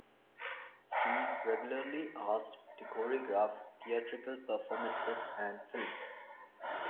She is regularly asked to choreograph theatrical performances and films.